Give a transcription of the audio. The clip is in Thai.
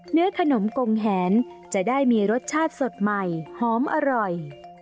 เนื้อขนมกงแหนจะได้มีรสชาติสดใหม่หอมอร่อย